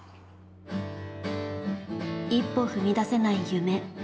一歩踏み出せない夢。